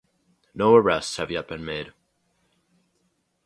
No arrests have yet been made.